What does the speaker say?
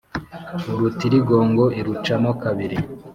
Urutirigongo iruca mo kabiri